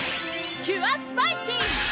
キュアスパイシー！